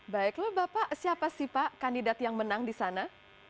baik lalu bapak siapa sih pak kandidat yang menang di sana